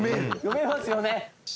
読めますよね！」